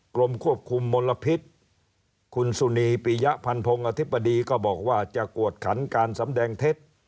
กรมควบคุมมลพิษคุณสุนีปียะพันธงอธิบดีก็บอกว่าจะกวดขันการสำแดงเท็จ